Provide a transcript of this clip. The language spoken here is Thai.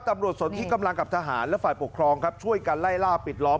สนที่กำลังกับทหารและฝ่ายปกครองครับช่วยกันไล่ล่าปิดล้อม